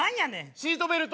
シートベルト！